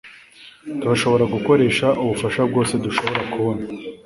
turashobora gukoresha ubufasha bwose dushobora kubona